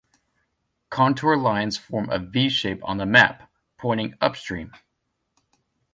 Contour lines form a V-shape on the map, pointing upstream.